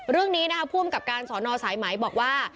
เรื่องนี้นะคะผู้อำกับการสอนอสายไหมบอกว่า